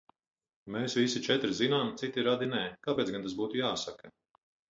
Mēs visi četri zinām, citi radi nē – kāpēc gan tas būtu jāsaka!?